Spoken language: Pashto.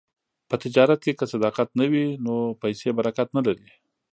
په تجارت کې که صداقت نه وي، نو پیسې برکت نه لري.